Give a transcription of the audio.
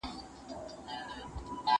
خر د خوني په مابین کي په نڅا سو